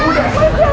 aku lepas sekarang aja